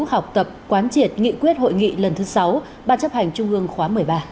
học tập quán triệt nghị quyết hội nghị lần thứ sáu ban chấp hành trung ương khóa một mươi ba